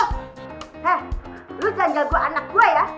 hei lu janjau gue anak gue ya